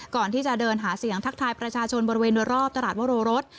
ก่อนที่จะเดินหาเสียงทักทายประชาชนบริเวณโดยรอบตลาดวโรรส